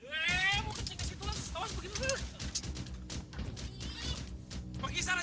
hei mau ke sini ke situ langsung